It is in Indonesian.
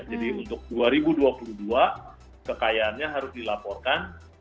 jadi untuk dua ribu dua puluh dua kekayaannya harus dilaporkan